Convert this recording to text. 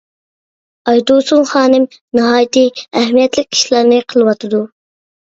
ئايتۇرسۇن خانىم ناھايىتى ئەھمىيەتلىك ئىشلارنى قىلىۋاتىدۇ.